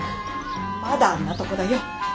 まだあんなとこだよ。